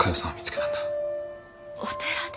お寺で？